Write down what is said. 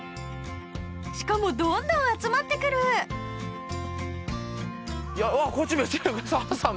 しかもどんどん集まってくるアッこっち砂羽さん